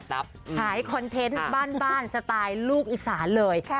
ขายคอนเทนต์บ้านสไตล์ลูกอีสานเลย